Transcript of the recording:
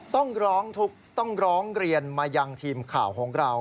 ต้องร้องทุกข์ต้องร้องเรียนมายังทีมข่าวของเรา